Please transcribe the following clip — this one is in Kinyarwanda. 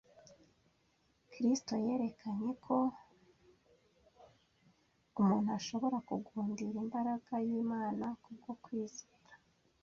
Kristo yerekanye ko umuntu ashobora kugundira imbaraga y’Imana ku bwo kwizera